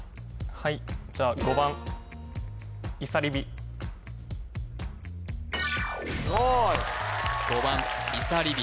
はいじゃあ５番いさりび